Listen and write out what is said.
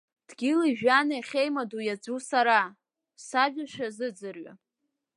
Дгьылижәҩани ахьеимадоу иаӡәу сара, сажәа шәазыӡырҩы!